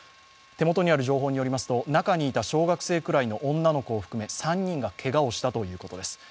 手元にある情報によりますと、中にいた小学生くらいの女の子を含めて３人がけがをしたということです。